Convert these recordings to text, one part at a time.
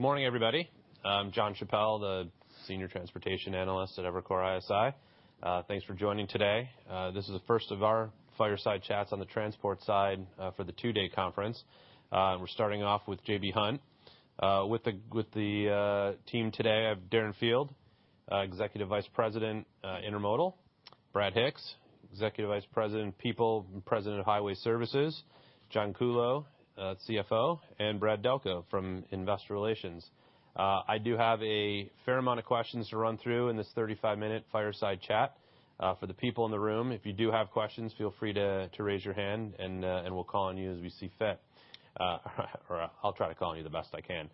Good morning, everybody. I'm John Chappell, the senior transportation analyst at Evercore ISI. Thanks for joining today. This is the first of our fireside chats on the transport side, for the two-day conference. We're starting off with J.B. Hunt. With the team today, I have Darren Field, Executive Vice President, Intermodal; Brad Hicks, Executive Vice President, People; President of Highway Services; John Kuhlow, CFO; and Brad Delco from Investor Relations. I do have a fair amount of questions to run through in this 35-minute fireside chat. For the people in the room, if you do have questions, feel free to raise your hand, and we'll call on you as we see fit. Or I'll try to call on you the best I can.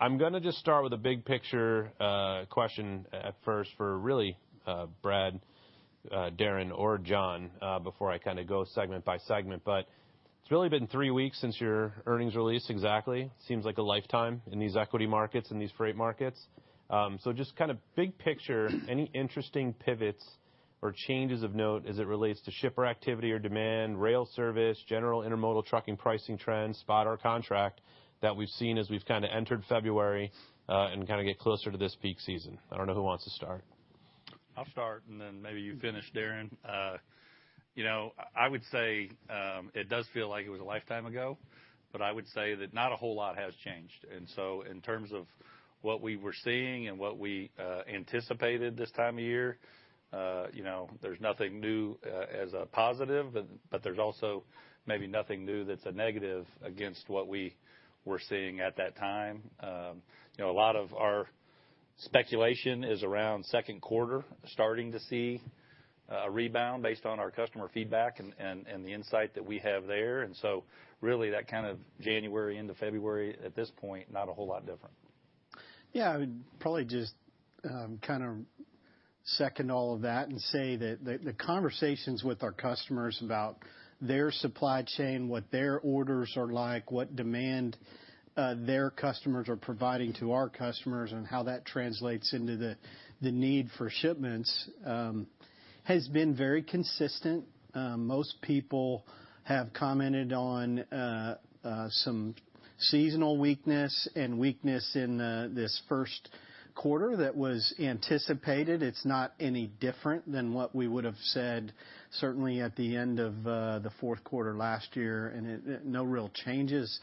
I'm gonna just start with a big picture question at first for really, Brad, Darren or John, before I kinda go segment by segment. It's really been three weeks since your earnings release, exactly. Seems like a lifetime in these equity markets and these freight markets. Just kinda big picture, any interesting pivots or changes of note as it relates to shipper activity or demand, rail service, general intermodal trucking pricing trends, spot or contract that we've seen as we've kinda entered February, and kinda get closer to this peak season? I don't know who wants to start. I'll start, and then maybe you finish, Darren. You know, I would say, it does feel like it was a lifetime ago, but I would say that not a whole lot has changed. In terms of what we were seeing and what we anticipated this time of year, you know, there's nothing new, as a positive, but there's also maybe nothing new that's a negative against what we were seeing at that time. You know, a lot of our speculation is around second quarter starting to see a rebound based on our customer feedback and the insight that we have there. Really that kind of January into February at this point, not a whole lot different. Yeah, I mean, probably just kind of second all of that and say that the conversations with our customers about their supply chain, what their orders are like, what demand their customers are providing to our customers, and how that translates into the need for shipments, has been very consistent. Most people have commented on some seasonal weakness and weakness in this first quarter that was anticipated. It's not any different than what we would have said, certainly, at the end of the fourth quarter last year, and it, it no real changes.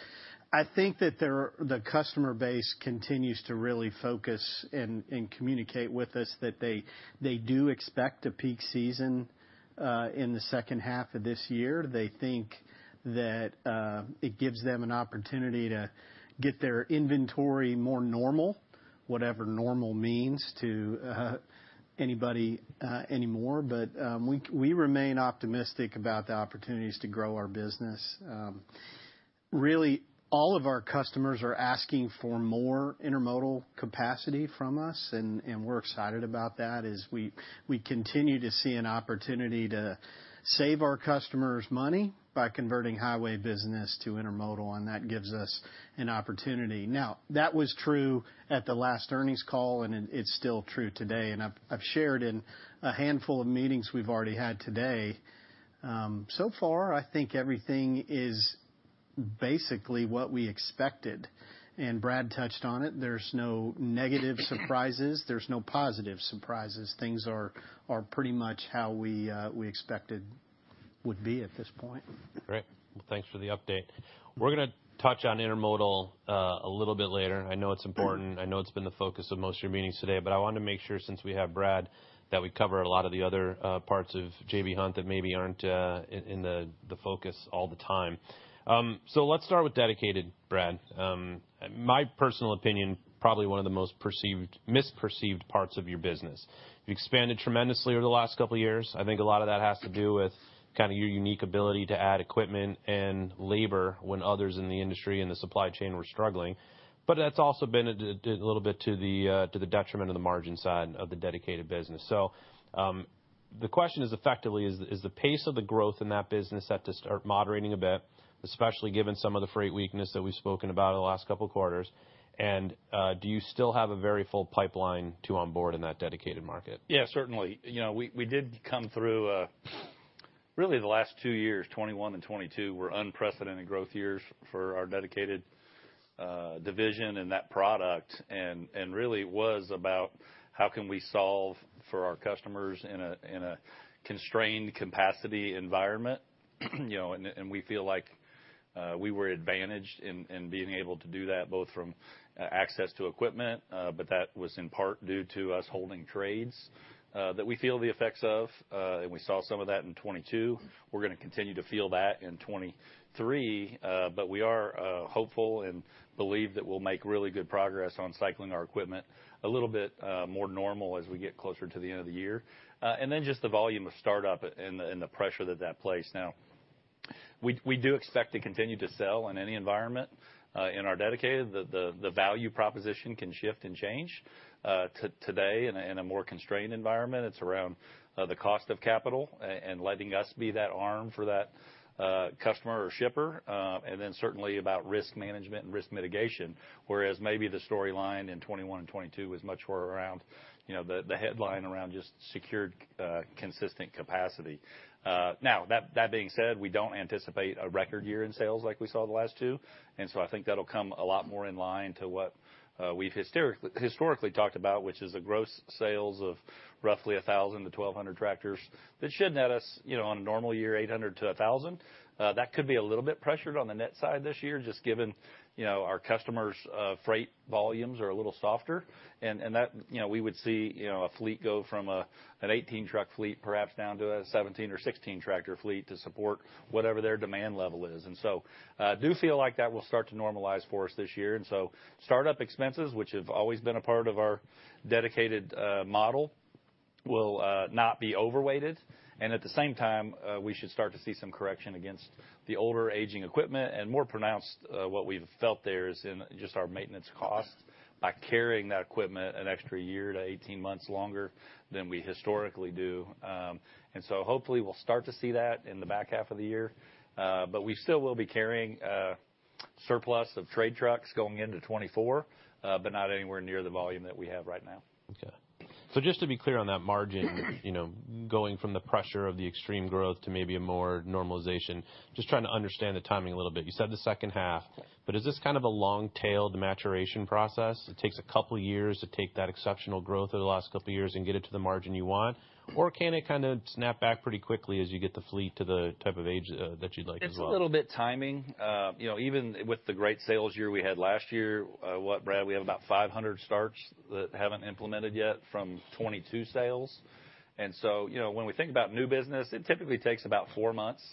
I think that the customer base continues to really focus and communicate with us that they do expect a peak season in the second half of this year. They think that it gives them an opportunity to get their inventory more normal, whatever normal means to anybody, anymore. We remain optimistic about the opportunities to grow our business. Really, all of our customers are asking for more intermodal capacity from us, and we're excited about that as we continue to see an opportunity to save our customers money by converting highway business to intermodal, and that gives us an opportunity. That was true at the last earnings call, and it's still true today. I've shared in a handful of meetings we've already had today. So far, I think everything is basically what we expected. Brad touched on it. There's no negative surprises. There's no positive surprises. Things are pretty much how we expected would be at this point. Great. Thanks for the update. We're gonna touch on intermodal a little bit later. I know it's important. I know it's been the focus of most of your meetings today. I wanted to make sure since we have Brad that we cover a lot of the other parts of J.B. Hunt that maybe aren't in the focus all the time. Let's start with dedicated, Brad. My personal opinion, probably one of the most perceived, misperceived parts of your business. You've expanded tremendously over the last couple of years. I think a lot of that has to do with kinda your unique ability to add equipment and labor when others in the industry and the supply chain were struggling. That's also been a little bit to the detriment of the margin side of the dedicated business. The question is effectively, is the pace of the growth in that business set to start moderating a bit, especially given some of the freight weakness that we've spoken about in the last couple of quarters? Do you still have a very full pipeline to onboard in that dedicated market? Yeah, certainly. You know, we did come through, really the last two years, 2021 and 2022, were unprecedented growth years for our dedicated division and that product. You know, it was about how can we solve for our customers in a constrained capacity environment. You know, we feel like we were advantaged in being able to do that both from access to equipment, but that was in part due to us holding trades, that we feel the effects of. We saw some of that in 2022. We're gonna continue to feel that in 2023, but we are hopeful and believe that we'll make really good progress on cycling our equipment a little bit more normal as we get closer to the end of the year. Then just the volume of startup and the pressure that that place. Now, we do expect to continue to sell in any environment, in our dedicated. The value proposition can shift and change, today in a more constrained environment. It's around the cost of capital and letting us be that arm for that customer or shipper, and then certainly about risk management and risk mitigation, whereas maybe the storyline in 2021 and 2022 was much more around, you know, the headline around just secured, consistent capacity. Now, that being said, we don't anticipate a record year in sales like we saw the last two. I think that'll come a lot more in line to what we've historically talked about, which is a gross sales of roughly 1,000 to 1,200 tractors that should net us, you know, on a normal year, 800-1,000. That could be a little bit pressured on the net side this year just given, you know, our customers, freight volumes are a little softer. You know, we would see, you know, a fleet go from an 18-truck fleet perhaps down to a 17 or 16-tractor fleet to support whatever their demand level is. I do feel like that will start to normalize for us this year. Startup expenses, which have always been a part of our dedicated model, will not be overweighted. At the same time, we should start to see some correction against the older, aging equipment and more pronounced, what we've felt there is in just our maintenance costs by carrying that equipment an extra year to 18 months longer than we historically do. Hopefully we'll start to see that in the back half of the year. We still will be carrying a surplus of trade trucks going into 2024, but not anywhere near the volume that we have right now. Okay. Just to be clear on that margin, you know, going from the pressure of the extreme growth to maybe a more normalization, just trying to understand the timing a little bit. You said the second half, but is this kind of a long-tailed maturation process? It takes a couple of years to take that exceptional growth over the last couple of years and get it to the margin you want, or can it kinda snap back pretty quickly as you get the fleet to the type of age that you'd like as well? It's a little bit timing. You know, even with the great sales year we had last year, what, Brad, we have about 500 starts that haven't implemented yet from 2022 sales. You know, when we think about new business, it typically takes about four months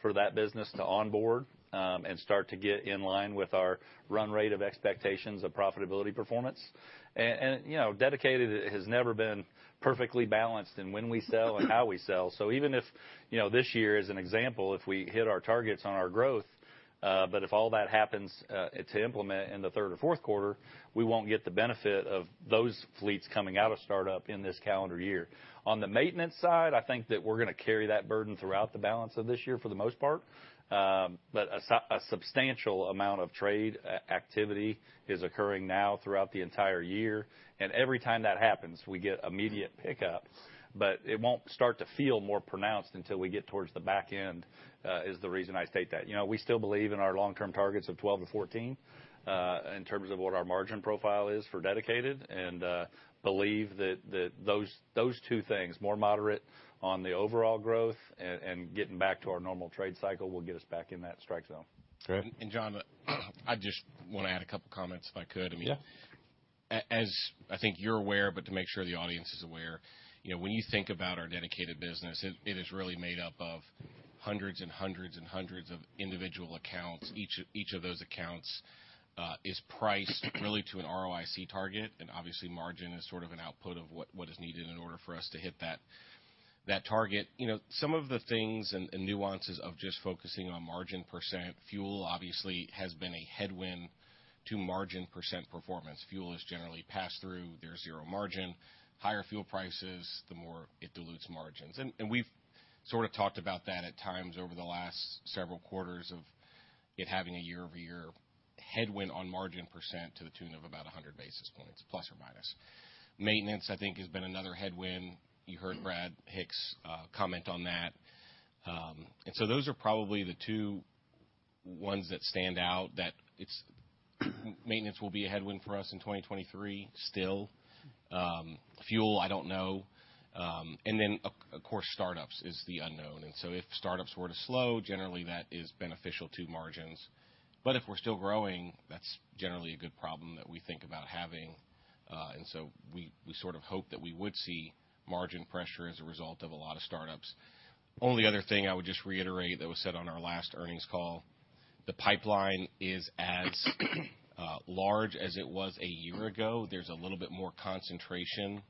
for that business to onboard and start to get in line with our run rate of expectations of profitability performance. You know, dedicated, it has never been perfectly balanced in when we sell and how we sell. Even if, you know, this year as an example, if we hit our targets on our growth, but if all that happens to implement in the third or fourth quarter, we won't get the benefit of those fleets coming out of startup in this calendar year. On the maintenance side, I think that we're gonna carry that burden throughout the balance of this year for the most part. A substantial amount of trade activity is occurring now throughout the entire year. Every time that happens, we get immediate pickup, but it won't start to feel more pronounced until we get towards the back end, is the reason I state that. You know, we still believe in our long-term targets of 12-14, in terms of what our margin profile is for dedicated, and believe that those two things, more moderate on the overall growth and getting back to our normal trade cycle, will get us back in that strike zone. Great. John, I just wanna add a couple of comments if I could. I mean. Yeah. As I think you're aware, but to make sure the audience is aware, you know, when you think about our dedicated business, it is really made up of hundreds and hundreds and hundreds of individual accounts. Each of those accounts is priced really to an ROIC target. Obviously, margin is sort of an output of what is needed in order for us to hit that target. You know, some of the things and nuances of just focusing on margin percent, fuel, obviously, has been a headwind to margin percent performance. Fuel is generally pass-through. There's zero margin. Higher fuel prices, the more it dilutes margins. We've sort of talked about that at times over the last several quarters of it having a year-over-year headwind on margin percent to the tune of about 100 basis points, plus or minus. Maintenance, I think, has been another headwind. You heard Brad Hicks comment on that. Those are probably the two ones that stand out, that maintenance will be a headwind for us in 2023 still. Fuel, I don't know. Of course, startups is the unknown. If startups were to slow, generally, that is beneficial to margins. If we're still growing, that's generally a good problem that we think about having. We sort of hope that we would see margin pressure as a result of a lot of startups. The only other thing I would just reiterate that was said on our last earnings call, the pipeline is as large as it was a year ago. There's a little bit more concentration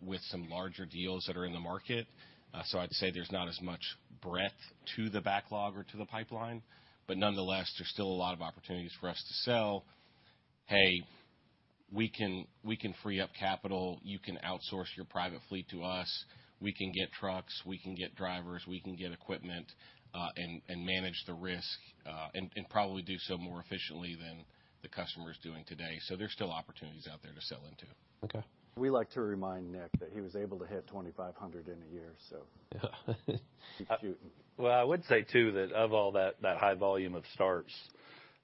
with some larger deals that are in the market. I'd say there's not as much breadth to the backlog or to the pipeline. Nonetheless, there's still a lot of opportunities for us to sell. Hey, we can free up capital. You can outsource your private fleet to us. We can get trucks. We can get drivers. We can get equipment, and manage the risk, and probably do so more efficiently than the customer's doing today. There's still opportunities out there to sell into. Okay. We like to remind Nick that he was able to hit 2,500 in a year, so. Yeah. He's cute. I would say too that of all that, that high volume of starts,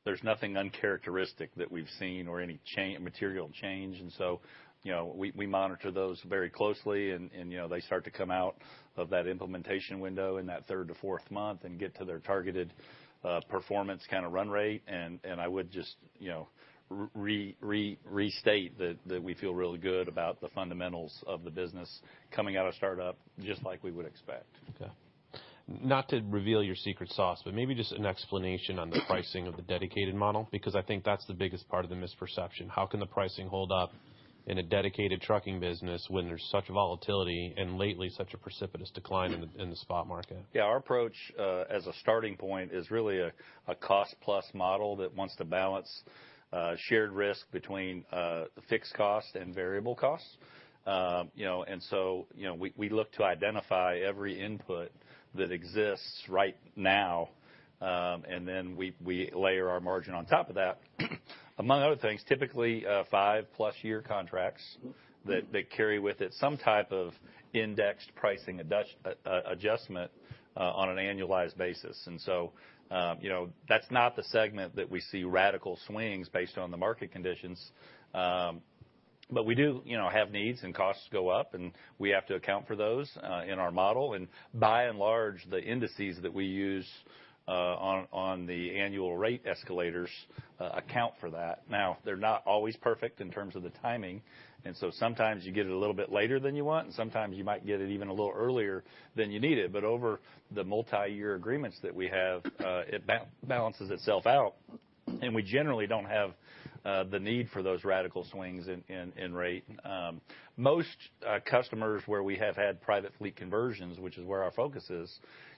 there's nothing uncharacteristic that we've seen or any material change. You know, we monitor those very closely, and, you know, they start to come out of that implementation window in that third to fourth month and get to their targeted performance kind of run rate. I would just, you know, restate that we feel really good about the fundamentals of the business coming out of startup just like we would expect. Okay. Not to reveal your secret sauce, but maybe just an explanation on the pricing of the dedicated model because I think that's the biggest part of the misperception. How can the pricing hold up in a dedicated trucking business when there's such volatility and lately such a precipitous decline in the, in the spot market? Yeah. Our approach, as a starting point, is really a cost-plus model that wants to balance shared risk between fixed cost and variable cost. You know, and so, you know, we look to identify every input that exists right now, and then we layer our margin on top of that. Among other things, typically, five-plus-year contracts that carry with it some type of indexed pricing adjustment on an annualized basis. You know, that's not the segment that we see radical swings based on the market conditions. We do, you know, have needs and costs go up, and we have to account for those in our model. By and large, the indices that we use on the annual rate escalators account for that. Now, they're not always perfect in terms of the timing. Sometimes you get it a little bit later than you want, and sometimes you might get it even a little earlier than you need it. Over the multi-year agreements that we have, it balances itself out. We generally do not have the need for those radical swings in rate. Most customers where we have had private fleet conversions, which is where our focus is,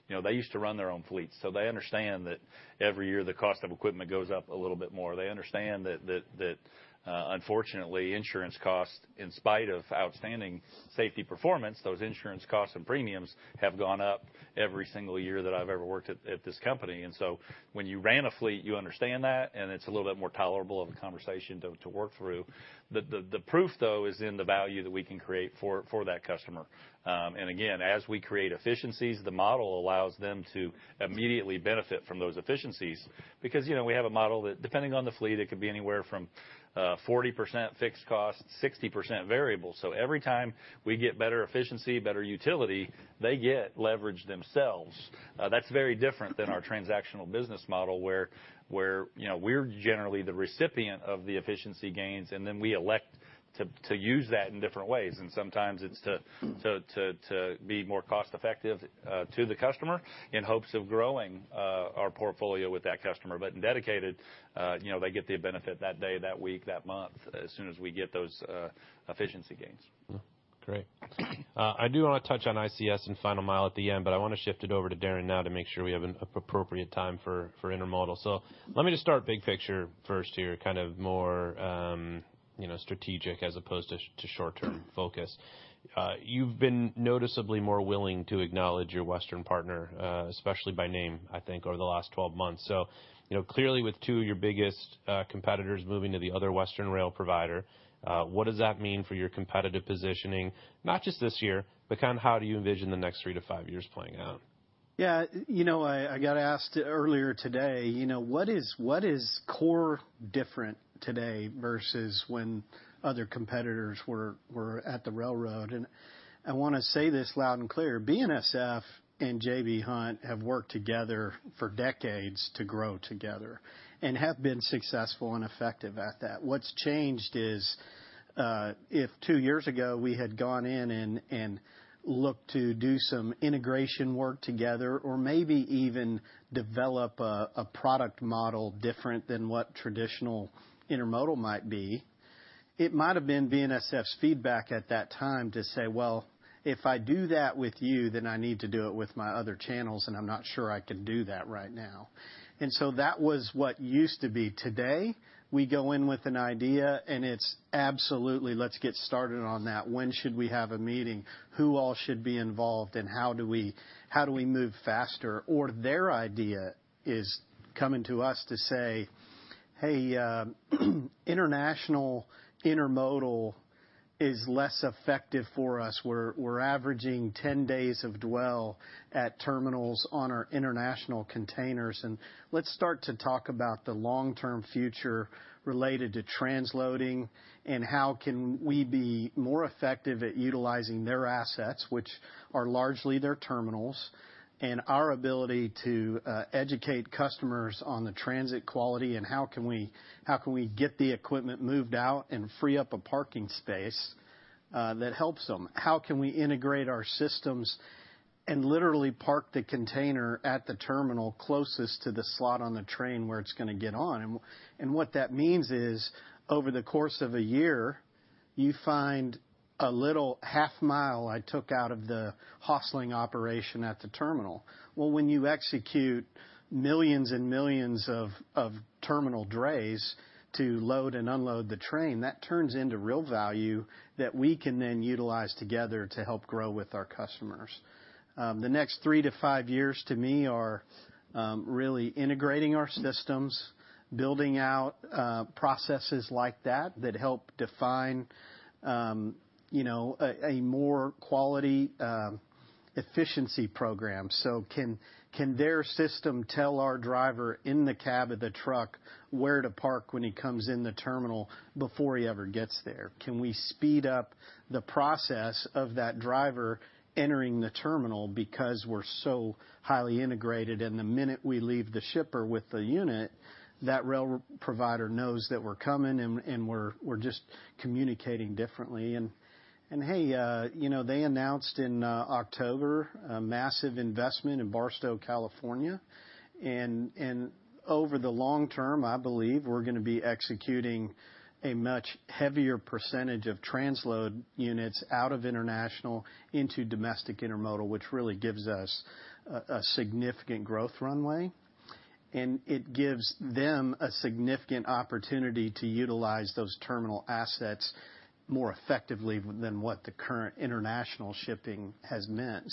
you know, they used to run their own fleets. They understand that every year the cost of equipment goes up a little bit more. They understand that, unfortunately, insurance costs, in spite of outstanding safety performance, those insurance costs and premiums have gone up every single year that I have ever worked at this company. When you ran a fleet, you understand that, and it's a little bit more tolerable of a conversation to work through. The proof though is in the value that we can create for that customer. And again, as we create efficiencies, the model allows them to immediately benefit from those efficiencies because, you know, we have a model that, depending on the fleet, it could be anywhere from 40% fixed cost, 60% variable. So every time we get better efficiency, better utility, they get leverage themselves. That's very different than our transactional business model where, you know, we're generally the recipient of the efficiency gains, and then we elect to use that in different ways. And sometimes it's to be more cost-effective to the customer in hopes of growing our portfolio with that customer. In dedicated, you know, they get the benefit that day, that week, that month as soon as we get those efficiency gains. Yeah. Great. I do wanna touch on ICS and final mile at the end, but I wanna shift it over to Darren now to make sure we have an appropriate time for intermodal. Let me just start big picture first here, kind of more, you know, strategic as opposed to short-term focus. You've been noticeably more willing to acknowledge your Western partner, especially by name, I think, over the last 12 months. Clearly, with two of your biggest competitors moving to the other Western rail provider, what does that mean for your competitive positioning, not just this year, but kinda how do you envision the next three to five years playing out? Yeah. You know, I got asked earlier today, you know, what is, what is core different today versus when other competitors were at the railroad? I wanna say this loud and clear. BNSF and J.B. Hunt have worked together for decades to grow together and have been successful and effective at that. What's changed is, if two years ago we had gone in and looked to do some integration work together or maybe even develop a product model different than what traditional intermodal might be, it might have been BNSF's feedback at that time to say, "If I do that with you, then I need to do it with my other channels, and I'm not sure I can do that right now." That was what used to be. Today, we go in with an idea, and it's absolutely, "Let's get started on that. When should we have a meeting? Who all should be involved? How do we move faster?" Their idea is coming to us to say, "Hey, international intermodal is less effective for us. We're averaging 10 days of dwell at terminals on our international containers. Let's start to talk about the long-term future related to transloading and how can we be more effective at utilizing their assets, which are largely their terminals, and our ability to educate customers on the transit quality. How can we get the equipment moved out and free up a parking space, that helps them? How can we integrate our systems and literally park the container at the terminal closest to the slot on the train where it's gonna get on? What that means is over the course of a year, you find a little half mile I took out of the hustling operation at the terminal. When you execute millions and millions of terminal trays to load and unload the train, that turns into real value that we can then utilize together to help grow with our customers. The next three to five years to me are really integrating our systems, building out processes like that that help define, you know, a more quality, efficiency program. Can their system tell our driver in the cab of the truck where to park when he comes in the terminal before he ever gets there? Can we speed up the process of that driver entering the terminal because we're so highly integrated? The minute we leave the shipper with the unit, that rail provider knows that we're coming and we're just communicating differently. Hey, you know, they announced in October, massive investment in Barstow, California. Over the long term, I believe we're gonna be executing a much heavier percentage of transload units out of international into domestic intermodal, which really gives us a significant growth runway. It gives them a significant opportunity to utilize those terminal assets more effectively than what the current international shipping has meant.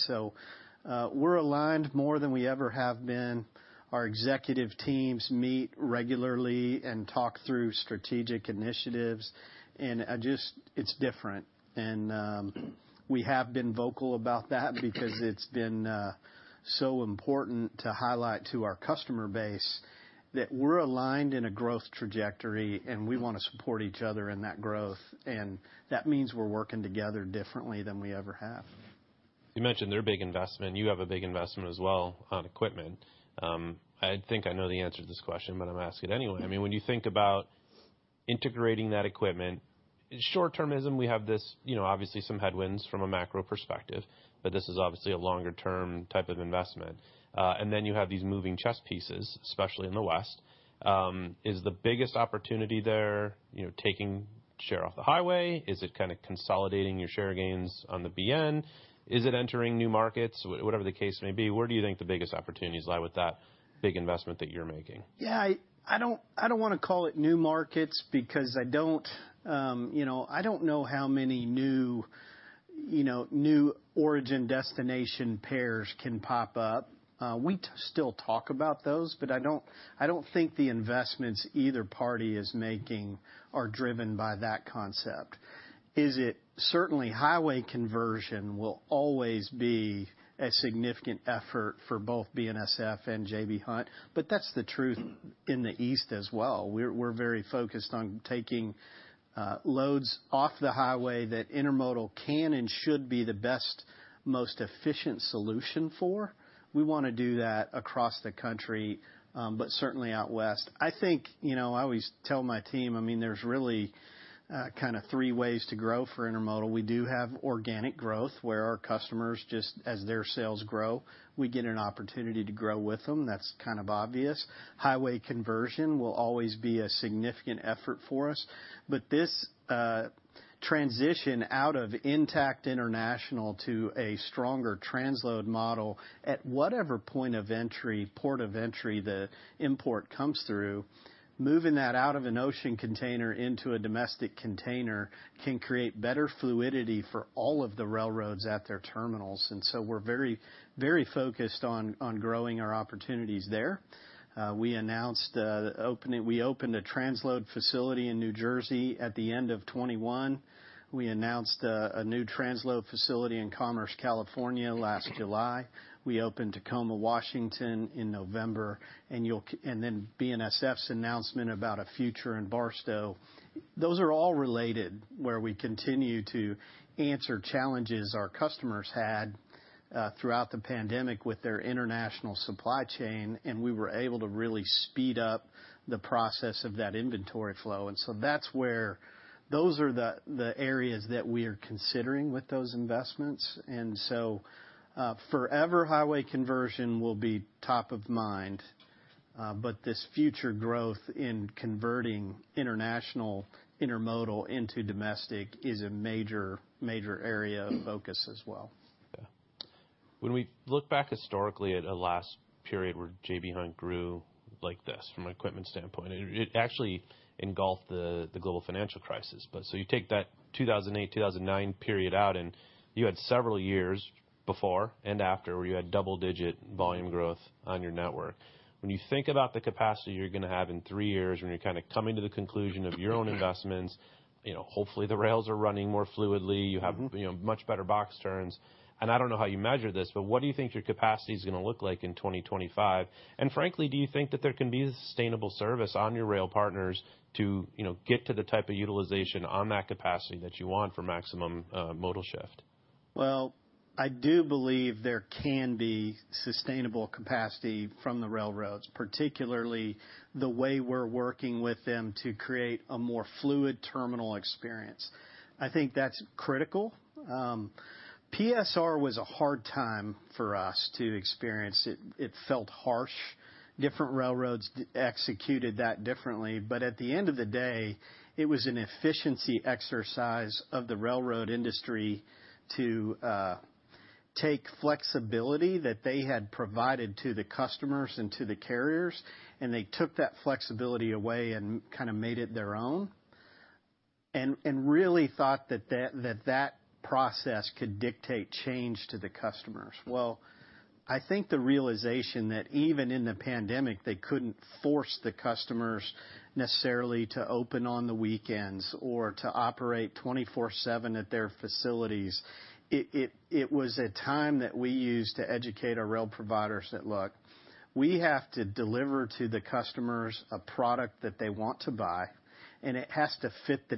We're aligned more than we ever have been. Our executive teams meet regularly and talk through strategic initiatives. I just, it's different. We have been vocal about that because it's been so important to highlight to our customer base that we're aligned in a growth trajectory, and we wanna support each other in that growth. That means we're working together differently than we ever have. You mentioned their big investment. You have a big investment as well on equipment. I think I know the answer to this question, but I'm gonna ask it anyway. I mean, when you think about integrating that equipment, short-termism, we have this, you know, obviously some headwinds from a macro perspective, but this is obviously a longer-term type of investment. And then you have these moving chess pieces, especially in the west. Is the biggest opportunity there, you know, taking share off the highway? Is it kinda consolidating your share gains on the BN? Is it entering new markets? Whatever the case may be, where do you think the biggest opportunities lie with that big investment that you're making? Yeah. I don't, I don't wanna call it new markets because I don't, you know, I don't know how many new, you know, new origin destination pairs can pop up. We still talk about those, but I don't, I don't think the investments either party is making are driven by that concept. It is certainly highway conversion will always be a significant effort for both BNSF and J.B. Hunt, but that's the truth in the east as well. We're very focused on taking loads off the highway that intermodal can and should be the best, most efficient solution for. We wanna do that across the country, but certainly out west. I think, you know, I always tell my team, I mean, there's really kinda three ways to grow for intermodal. We do have organic growth where our customers, just as their sales grow, we get an opportunity to grow with them. That's kind of obvious. Highway conversion will always be a significant effort for us. This transition out of intact international to a stronger transload model at whatever point of entry, port of entry, the import comes through, moving that out of an ocean container into a domestic container can create better fluidity for all of the railroads at their terminals. We are very, very focused on growing our opportunities there. We announced opening, we opened a transload facility in New Jersey at the end of 2021. We announced a new transload facility in Commerce, California last July. We opened Tacoma, Washington in November. You will, and then BNSF's announcement about a future in Barstow. Those are all related where we continue to answer challenges our customers had throughout the pandemic with their international supply chain, and we were able to really speed up the process of that inventory flow. That is where those are the areas that we are considering with those investments. Forever highway conversion will be top of mind, but this future growth in converting international intermodal into domestic is a major, major area of focus as well. Yeah. When we look back historically at a last period where J.B. Hunt grew like this from an equipment standpoint, it actually engulfed the global financial crisis. You take that 2008, 2009 period out, and you had several years before and after where you had double-digit volume growth on your network. When you think about the capacity you're gonna have in three years when you're kinda coming to the conclusion of your own investments, you know, hopefully the rails are running more fluidly, you have, you know, much better box turns. I don't know how you measure this, but what do you think your capacity's gonna look like in 2025? Frankly, do you think that there can be sustainable service on your rail partners to, you know, get to the type of utilization on that capacity that you want for maximum, modal shift? I do believe there can be sustainable capacity from the railroads, particularly the way we're working with them to create a more fluid terminal experience. I think that's critical. PSR was a hard time for us to experience. It felt harsh. Different railroads executed that differently. At the end of the day, it was an efficiency exercise of the railroad industry to take flexibility that they had provided to the customers and to the carriers, and they took that flexibility away and kind of made it their own and really thought that process could dictate change to the customers. I think the realization that even in the pandemic, they couldn't force the customers necessarily to open on the weekends or to operate 24/7 at their facilities. It was a time that we used to educate our rail providers that, "Look, we have to deliver to the customers a product that they want to buy, and it has to fit the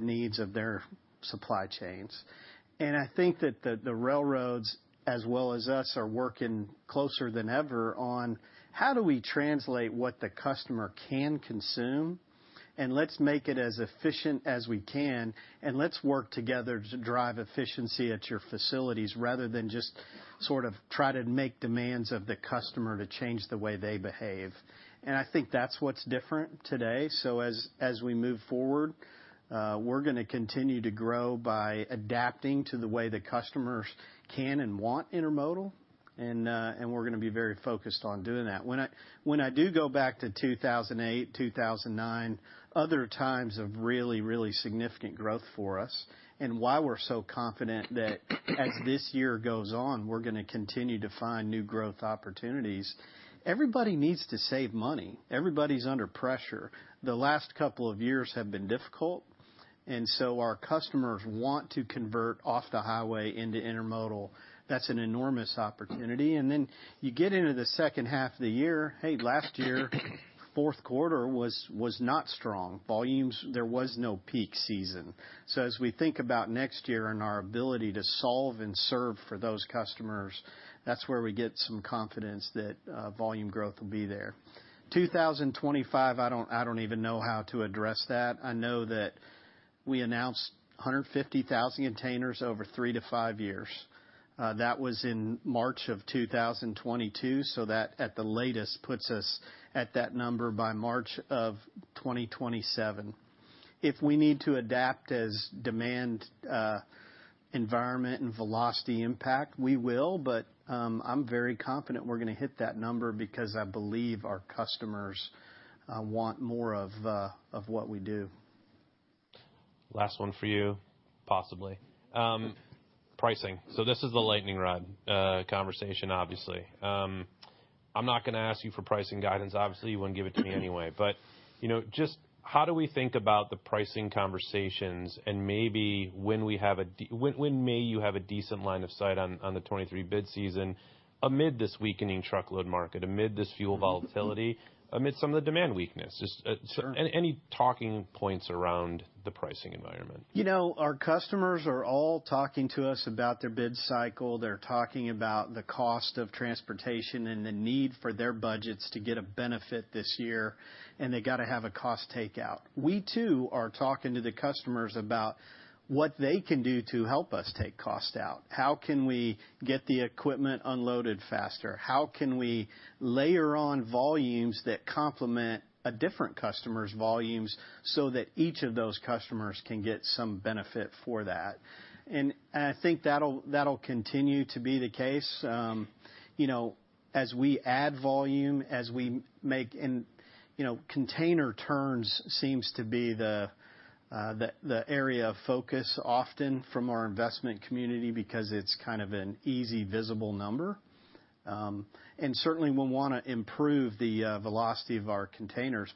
needs of their supply chains." I think that the railroads, as well as us, are working closer than ever on how do we translate what the customer can consume, and let's make it as efficient as we can, and let's work together to drive efficiency at your facilities rather than just sort of try to make demands of the customer to change the way they behave. I think that's what's different today. As we move forward, we're gonna continue to grow by adapting to the way the customers can and want intermodal. We're gonna be very focused on doing that. When I do go back to 2008, 2009, other times of really, really significant growth for us and why we're so confident that as this year goes on, we're gonna continue to find new growth opportunities, everybody needs to save money. Everybody's under pressure. The last couple of years have been difficult. Our customers want to convert off the highway into intermodal. That's an enormous opportunity. You get into the second half of the year, hey, last year, fourth quarter was not strong. Volumes, there was no peak season. As we think about next year and our ability to solve and serve for those customers, that's where we get some confidence that volume growth will be there. 2025, I don't even know how to address that. I know that we announced 150,000 containers over three to five years. That was in March of 2022. That at the latest puts us at that number by March of 2027. If we need to adapt as demand, environment and velocity impact, we will. I'm very confident we're gonna hit that number because I believe our customers want more of what we do. Last one for you, possibly. Pricing. This is the lightning rod conversation, obviously. I'm not gonna ask you for pricing guidance. Obviously, you wouldn't give it to me anyway. But, you know, just how do we think about the pricing conversations and maybe when we have a decent line of sight on the 2023 bid season amid this weakening truckload market, amid this fuel volatility, amid some of the demand weakness? Just, certain any talking points around the pricing environment? You know, our customers are all talking to us about their bid cycle. They're talking about the cost of transportation and the need for their budgets to get a benefit this year, and they gotta have a cost takeout. We too are talking to the customers about what they can do to help us take cost out. How can we get the equipment unloaded faster? How can we layer on volumes that complement a different customer's volumes so that each of those customers can get some benefit for that? I think that'll continue to be the case. You know, as we add volume, as we make, and, you know, container turns seems to be the area of focus often from our investment community because it's kind of an easy visible number. Certainly we wanna improve the velocity of our containers.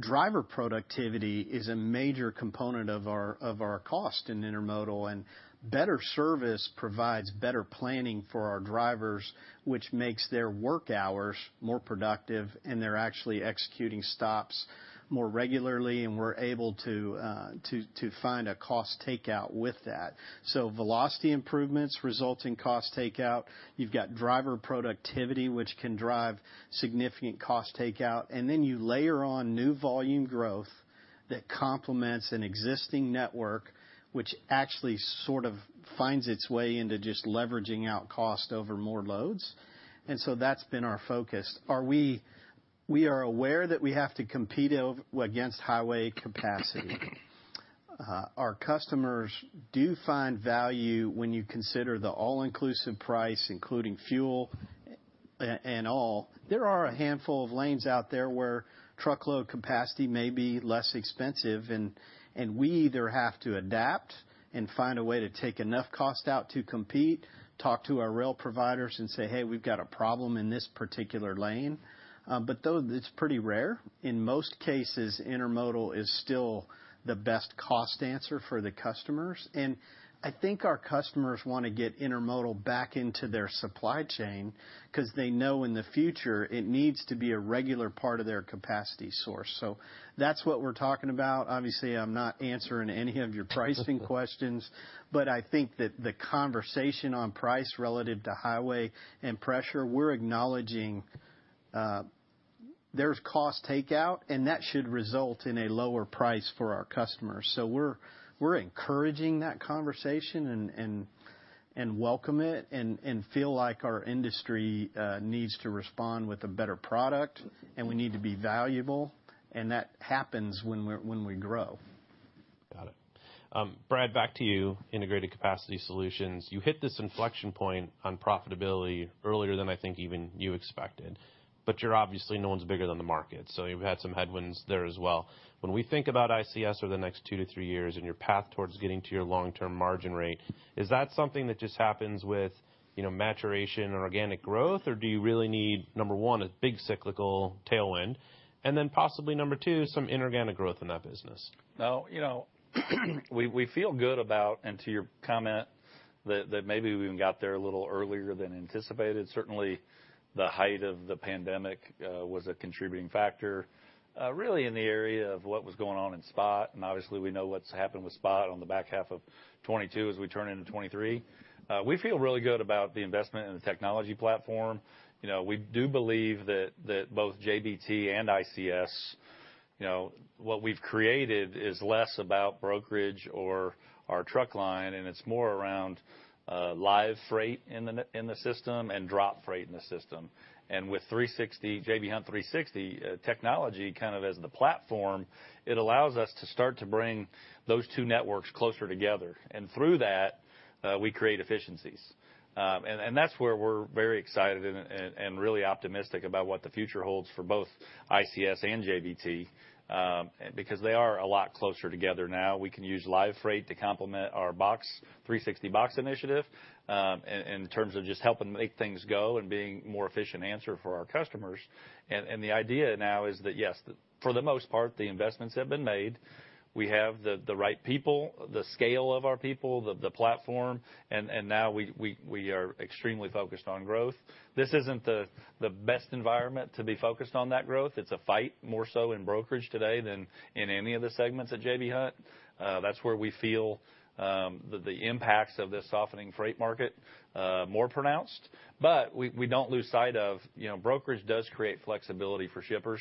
Driver productivity is a major component of our cost in intermodal. Better service provides better planning for our drivers, which makes their work hours more productive, and they're actually executing stops more regularly. We're able to find a cost takeout with that. Velocity improvements result in cost takeout. You've got driver productivity, which can drive significant cost takeout. You layer on new volume growth that complements an existing network, which actually sort of finds its way into just leveraging out cost over more loads. That's been our focus. We are aware that we have to compete over against highway capacity. Our customers do find value when you consider the all-inclusive price, including fuel and all. There are a handful of lanes out there where truckload capacity may be less expensive, and we either have to adapt and find a way to take enough cost out to compete, talk to our rail providers, and say, "Hey, we've got a problem in this particular lane." Though it's pretty rare, in most cases, intermodal is still the best cost answer for the customers. I think our customers want to get intermodal back into their supply chain because they know in the future it needs to be a regular part of their capacity source. That is what we're talking about. Obviously, I'm not answering any of your pricing questions, but I think that the conversation on price relative to highway and pressure, we're acknowledging, there's cost takeout, and that should result in a lower price for our customers. We are encouraging that conversation and welcome it and feel like our industry needs to respond with a better product, and we need to be valuable. That happens when we grow. Got it. Brad, back to you, integrated capacity solutions. You hit this inflection point on profitability earlier than I think even you expected, but you're obviously no one's bigger than the market. You have had some headwinds there as well. When we think about ICS over the next two to three years and your path towards getting to your long-term margin rate, is that something that just happens with, you know, maturation and organic growth, or do you really need, number one, a big cyclical tailwind, and then possibly number two, some inorganic growth in that business? No, you know, we feel good about, and to your comment, that maybe we even got there a little earlier than anticipated. Certainly, the height of the pandemic was a contributing factor, really in the area of what was going on in Spot. And obviously, we know what's happened with Spot on the back half of 2022 as we turn into 2023. We feel really good about the investment in the technology platform. You know, we do believe that both JBT and ICS, you know, what we've created is less about brokerage or our truck line, and it's more around live freight in the system and drop freight in the system. With 360, JB Hunt 360, technology kind of as the platform, it allows us to start to bring those two networks closer together. Through that, we create efficiencies. That's where we're very excited and really optimistic about what the future holds for both ICS and JBT, because they are a lot closer together now. We can use live freight to complement our 360 box initiative, in terms of just helping make things go and being a more efficient answer for our customers. The idea now is that, yes, for the most part, the investments have been made. We have the right people, the scale of our people, the platform, and now we are extremely focused on growth. This isn't the best environment to be focused on that growth. It's a fight more so in brokerage today than in any of the segments at J.B. Hunt. That's where we feel the impacts of this softening freight market more pronounced. We don't lose sight of, you know, brokerage does create flexibility for shippers.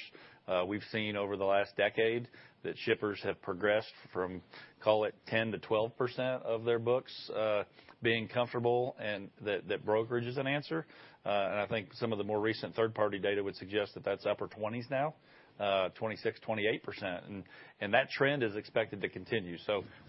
We've seen over the last decade that shippers have progressed from, call it 10%-12% of their books, being comfortable and that, that brokerage is an answer. I think some of the more recent third-party data would suggest that that's upper 20s now, 26%-28%. That trend is expected to continue.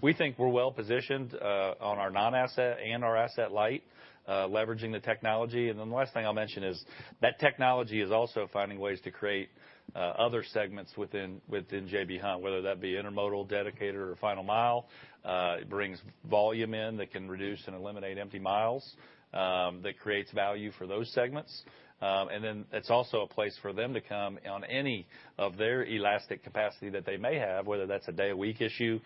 We think we're well positioned, on our non-asset and our asset light, leveraging the technology. The last thing I'll mention is that technology is also finding ways to create other segments within, within J.B. Hunt, whether that be intermodal, dedicated, or final mile. It brings volume in that can reduce and eliminate empty miles, that creates value for those segments. and then it's also a place for them to come on any of their elastic capacity that they may have, whether that's a day-a-week issue,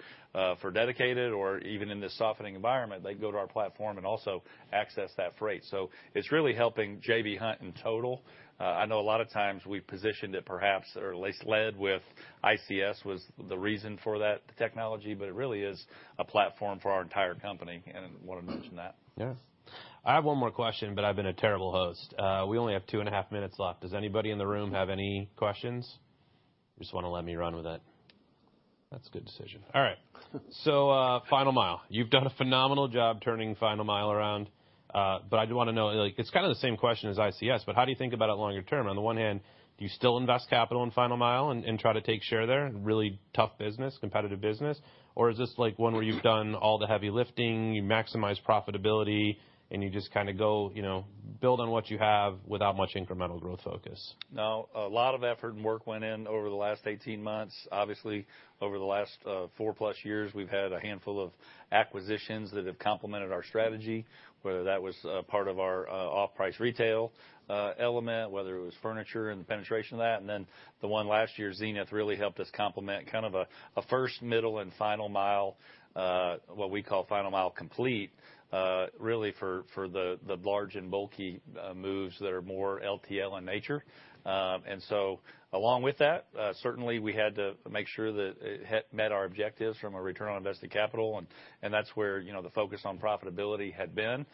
for dedicated, or even in this softening environment, they can go to our platform and also access that freight. It is really helping J.B. Hunt in total. I know a lot of times we've positioned it perhaps, or at least led with ICS was the reason for that technology, but it really is a platform for our entire company. I wanna mention that. Yes. I have one more question, but I've been a terrible host. We only have two and a half minutes left. Does anybody in the room have any questions? Just wanna let me run with it. That's a good decision. All right. Final Mile. You've done a phenomenal job turning Final Mile around. But I do wanna know, like, it's kinda the same question as ICS, but how do you think about it longer term? On the one hand, do you still invest capital in Final Mile and try to take share there, really tough business, competitive business? Or is this like one where you've done all the heavy lifting, you maximize profitability, and you just kinda go, you know, build on what you have without much incremental growth focus? No, a lot of effort and work went in over the last 18 months. Obviously, over the last four-plus years, we've had a handful of acquisitions that have complemented our strategy, whether that was part of our off-price retail element, whether it was furniture and the penetration of that. And then the one last year, Zenith really helped us complement kind of a first, middle, and final mile, what we call final mile complete, really for the large and bulky moves that are more LTL in nature. Along with that, certainly we had to make sure that it had met our objectives from a return on invested capital. And that's where, you know, the focus on profitability had been.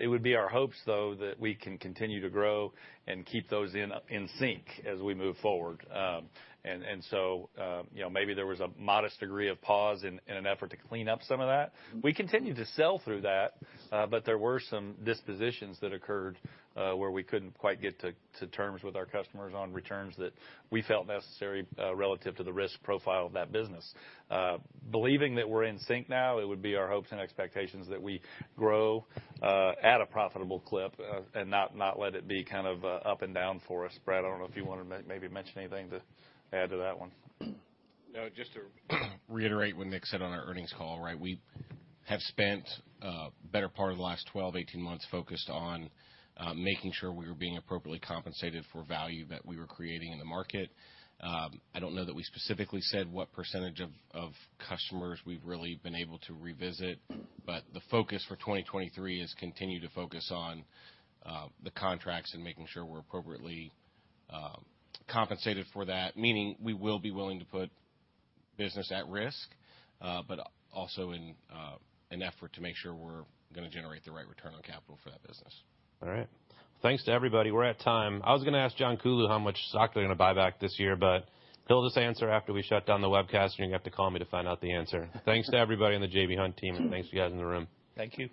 It would be our hopes, though, that we can continue to grow and keep those in sync as we move forward. and, and so, you know, maybe there was a modest degree of pause in, in an effort to clean up some of that. We continued to sell through that, but there were some dispositions that occurred, where we couldn't quite get to, to terms with our customers on returns that we felt necessary, relative to the risk profile of that business. believing that we're in sync now, it would be our hopes and expectations that we grow, at a profitable clip, and not, not let it be kind of, up and down for us. Brad, I don't know if you wanna maybe mention anything to add to that one. No, just to reiterate what Nick said on our earnings call, right? We have spent the better part of the last 12 months-18 months focused on making sure we were being appropriately compensated for value that we were creating in the market. I don't know that we specifically said what percentage of customers we've really been able to revisit, but the focus for 2023 is to continue to focus on the contracts and making sure we're appropriately compensated for that, meaning we will be willing to put business at risk, but also in an effort to make sure we're gonna generate the right return on capital for that business. All right. Thanks to everybody. We're at time. I was gonna ask John Kuhlow how much stock they're gonna buy back this year, but he'll just answer after we shut down the webcast, and you're gonna have to call me to find out the answer. Thanks to everybody on the J.B. Hunt team, and thanks to you guys in the room. Thank you.